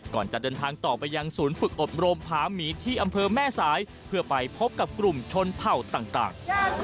ก่อนจะเดินทางต่อไปยังศูนย์ฝึกอบรมผาหมีที่อำเภอแม่สายเพื่อไปพบกับกลุ่มชนเผ่าต่าง